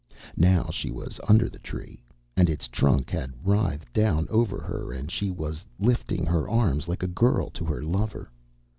Now she was under the Tree, and its trunk had writhed down over her and she was lifting her arms like a girl to her lover.